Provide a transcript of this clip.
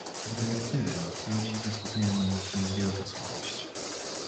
W dyrektywie, nad którą dziś dyskutujemy, jest wielka słabość